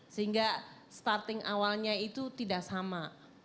sehingga starting awalnya itu tidak sama